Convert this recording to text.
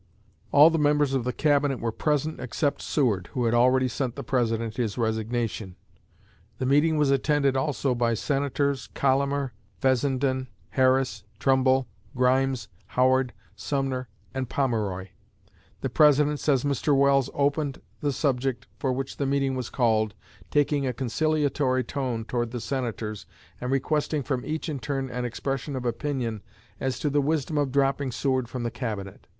All the members of the Cabinet were present except Seward, who had already sent the President his resignation. The meeting was attended also by Senators Collamer, Fessenden, Harris, Trumbull, Grimes, Howard, Sumner, and Pomeroy. The President, says Mr. Welles, opened the subject for which the meeting was called, taking a conciliatory tone toward the Senators, and requesting from each in turn an expression of opinion as to the wisdom of dropping Seward from the Cabinet.